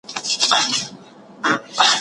په بریتانیا کې څېړونکو دا پروژه ترسره کړه.